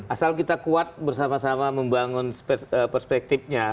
asal kita kuat bersama sama membangun perspektifnya